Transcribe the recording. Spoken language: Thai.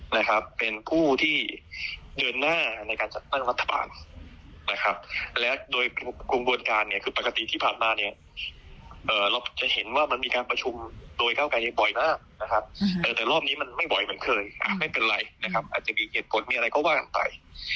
แต่รอบนี้มันไม่บ่อยเหมือนเคยไม่เป็นไรนะครับอาจจะมีเหตุผลมีอะไรก็ว่ากันไป